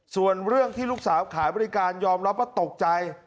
ส่วนเรื่องที่ลูกสาวขายบริการยอมรับว่าตกใจ